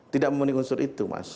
tidak memenuhi unsur itu mas